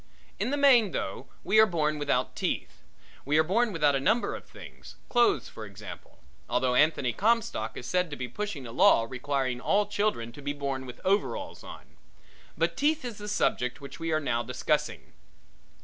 In the main, though, we are born without teeth. We are born without a number of things clothes for example although Anthony Comstock is said to be pushing a law requiring all children to be born with overalls on; but teeth is the subject which we are now discussing.